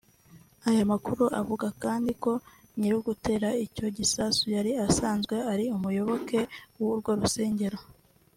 Aya makuru avuga kandi ko nyir’ugutera icyo gisasu yari asanzwe ari umuyoboke w’urwo rusengero